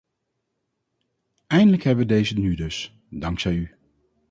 Eindelijk hebben we deze nu dus, dankzij u.